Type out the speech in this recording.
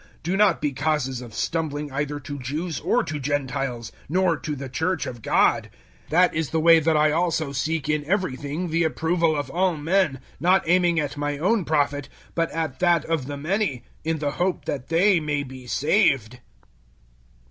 010:032 Do not be causes of stumbling either to Jews or to Gentiles, nor to the Church of God. 010:033 That is the way that I also seek in everything the approval of all men, not aiming at my own profit, but at that of the many, in the hope that they may be saved.